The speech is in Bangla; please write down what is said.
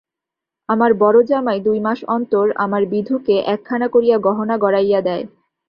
আমার বড়ো জামাই দুই মাস অন্তর আমার বিধুকে একখানা করিয়া গহনা গড়াইয়া দেয়।